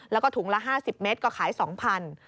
แล้วก็ถุงละ๕๐เมตรก็ขาย๒๐๐บาท